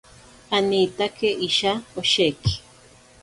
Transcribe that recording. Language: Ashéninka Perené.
Anitake isha osheki.